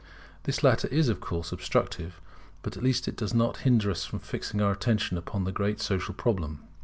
This latter is of course obstructive: but at least it does not hinder us from fixing our attention upon the great social problem.